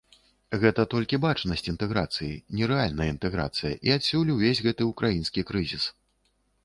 Гэта толькі бачнасць інтэграцыі, не рэальная інтэграцыя, і адсюль увесь гэты ўкраінскі крызіс.